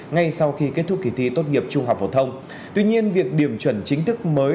ngay sau khi kết thúc kỳ thi tốt nghiệp trung học phổ thông tuy nhiên việc điểm chuẩn chính thức mới